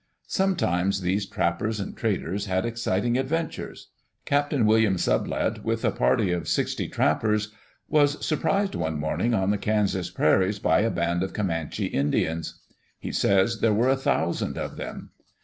Sometimes these trappers and traders had exciting adventures. Captain William Sublette, with a party of sixty trappers, was surprised one morning on the Kansas prairies by a band of Comanche Indians. He says there were a thousand of them.